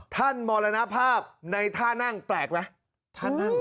ท่านมรณภาพในท่านั่งแปลกไหม